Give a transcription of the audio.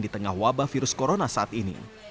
di tengah wabah virus corona saat ini